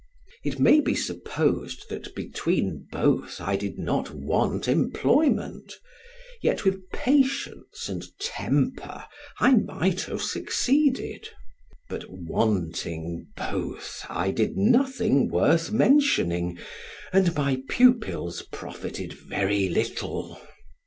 It may be supposed that between both I did not want employment, yet with patience and temper I might have succeeded; but wanting both, I did nothing worth mentioning, and my pupils profited very little.